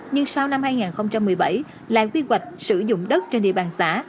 nhưng sau năm hai nghìn một mươi bảy lại quy hoạch sử dụng đất trên địa bàn xã